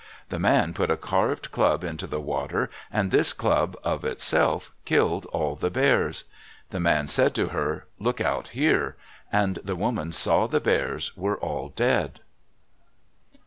The man put a carved club into the water, and this club of itself killed all the Bears. The man said to her, "Look out here," and the woman saw the Bears were all dead.